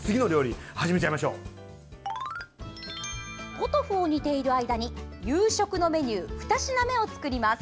ポトフを煮ている間に夕食のメニュー２品目を作ります。